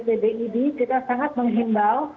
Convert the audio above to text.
pdid kita sangat menghimbau